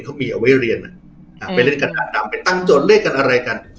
เขามีเอาไว้เรียนอ่ะอืมอ่าไปเล่นกระดานดำไปตั้งจนด้วยกันอะไรกัน